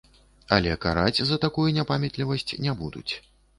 Але караць за такую непамятлівасць не будуць.